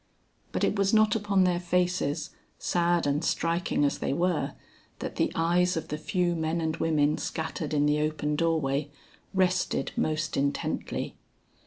But it was not upon their faces, sad and striking as they were, that the eyes of the few men and women scattered in the open door way, rested most intently.